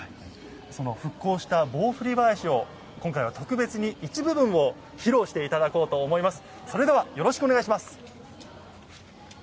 その復興した「棒振り囃子」を今回は特別に一部分を披露していただこうと思います。